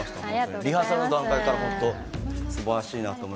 リハーサルの段階から本当、素晴らしいなと思って。